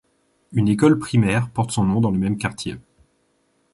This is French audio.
Une école primaire porte son nom dans le même quartier.